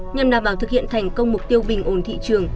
nhằm đảm bảo thực hiện thành công mục tiêu bình ổn thị trường